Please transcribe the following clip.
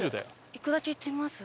行くだけ行ってみます？